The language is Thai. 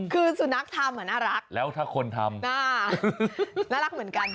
คือสุนัขทำน่ารักแล้วถ้าคนทำน่ารักเหมือนกัน